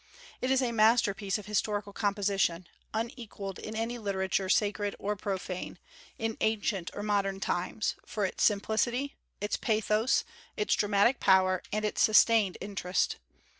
It is a masterpiece of historical composition, unequalled in any literature sacred or profane, in ancient or modern times, for its simplicity, its pathos, its dramatic power, and its sustained interest.